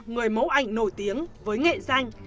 người mẫu ảnh nổi tiếng với nghệ danh